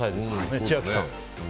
千秋さん。